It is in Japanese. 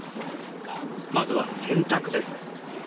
まずは洗濯です。